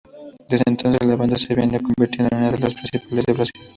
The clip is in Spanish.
Desde entonces la banda se viene convirtiendo en una de las principales de Brasil.